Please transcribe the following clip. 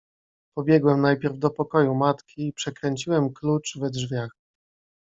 "Pobiegłem najpierw do pokoju matki i przekręciłem klucz we drzwiach."